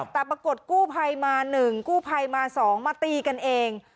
แต่ปรากฏกู้ภัยมา๑กู้ภัยมา๒มาตีกันเอง